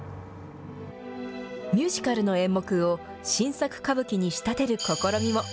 ミュージカルの演目を新作歌舞伎に仕立てる試みも。